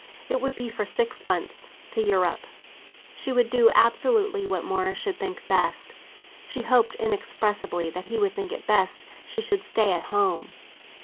It would be for six months, to Europe; she would do absolutely what Morris should think best. She hoped inexpressibly that he would think it best she should stay at home.